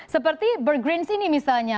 seperti burg green sini misalnya